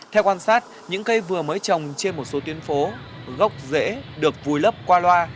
theo quan sát những cây vừa mới trồng trên một số tuyến phố gốc rễ được vùi lấp qua loa